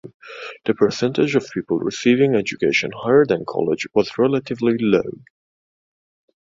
The percentage of people receiving education higher than college was relatively low.